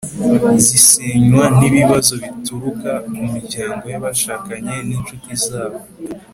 zisenywa n’ibibazo bituruka ku miryango y’abashakanye n’inshuti zabo.